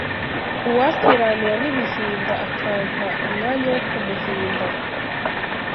Uwankiranura n’ibihinda Akampa umwanya wo kumuhimba